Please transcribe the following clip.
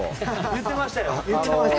言ってましたよ。